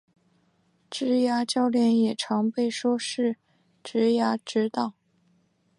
职涯教练也常被说是职涯指导。